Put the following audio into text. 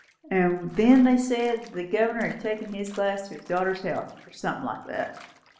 And then they said the Governor had taken his glass to his daughter's health, or something like that.